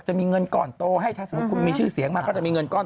จะมีเงินก่อนโตให้ถ้าสมมุติคุณมีชื่อเสียงมาเขาจะมีเงินก้อน